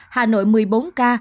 hà nội một mươi bốn ca